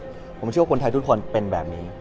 ผมเชื่อว่าคนไทยทุกคนเป็นแบบนี้